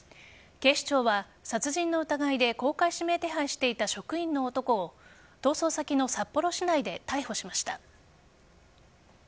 警視庁は殺人の疑いで公開指名手配してた職員の男を逃走先の札幌市内で逮捕しました。